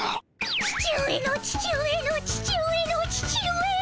父上の父上の父上の父上。